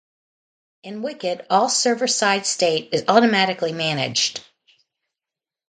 In Wicket, all server side state is automatically managed.